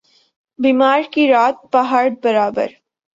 بیمار کی رات پہاڑ برابر